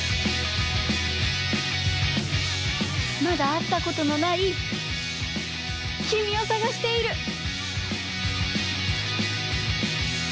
まだあったことのないきみをさがしている。